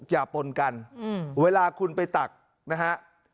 ปนกันเวลาคุณไปตักนะฮะ